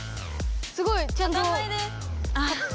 すごい！ちゃんと。